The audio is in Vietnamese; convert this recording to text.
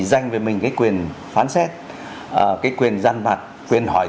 danh về mình cái quyền phán xét cái quyền gian mặt quyền hỏi